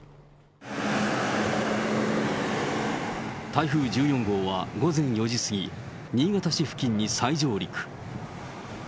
台風１４号は午前４時過ぎ、新潟市付近に再上陸。